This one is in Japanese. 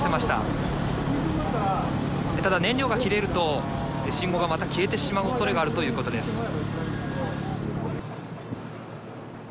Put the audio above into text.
ただ燃料が切れると信号がまた消えてしまう恐れがあるということです。